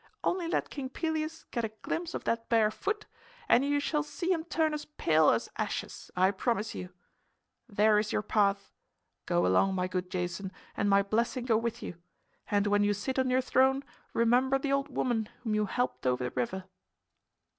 "Only let King Pelias get a glimpse of that bare foot and you shall see him turn as pale as ashes, I promise you. There is your path. Go along, my good Jason, and my blessing go with you. And when you sit on your throne remember the old woman whom you helped over the river."